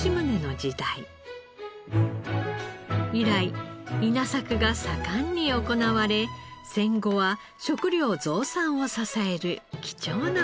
以来稲作が盛んに行われ戦後は食糧増産を支える貴重な場所でした。